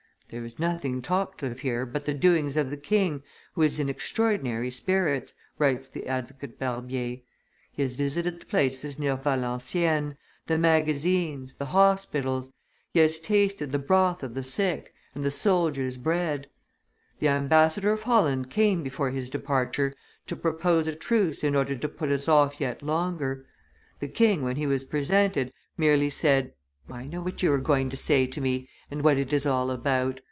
"There is nothing talked off here but the doings of the king, who is in extraordinary spirits," writes the advocate Barbier; "he has visited the places near Valenciennes, the magazines, the hospitals; he has tasted the broth of the sick, and the soldiers' bread. The ambassador of Holland came, before his departure, to propose a truce in order to put us off yet longer. The king, when he was presented, merely said, 'I know what you are going to say to me, and what it is all about.